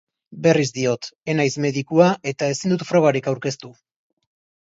Berriz diot, ez naiz medikua eta ezin dut frogarik aurkeztu.